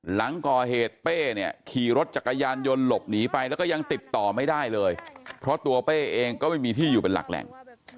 หลังก่อเหตุเป้เนี่ยขี่รถจักรยานยนต์หลบหนีไปแล้วก็ยังติดต่อไม่ได้เลยเพราะตัวเป้เองก็ไม่มีที่อยู่เป็นหลักแหล่ง